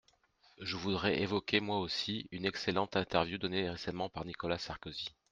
Je voudrais évoquer moi aussi une excellente interview donnée récemment par Nicolas Sarkozy.